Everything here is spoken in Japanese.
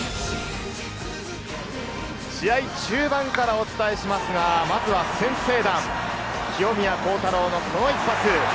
試合中盤からお伝えしますが、まずは先制弾、清宮幸太郎のこの一発。